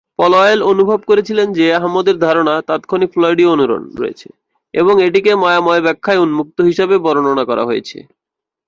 Powell অনুভব করেছিলেন যে আহমেদের ধারণার "তাৎক্ষণিক ফ্লয়েডিয় অনুরণন" রয়েছে এবং এটিকে "মায়াময় ও ব্যাখ্যায় উন্মুক্ত" হিসাবে বর্ণনা করেছেন।